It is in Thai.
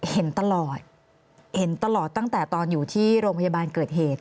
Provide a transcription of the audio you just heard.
เห็นตลอดเห็นตลอดตั้งแต่ตอนอยู่ที่โรงพยาบาลเกิดเหตุ